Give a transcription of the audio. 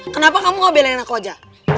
kenapa kamu gak belain aku aja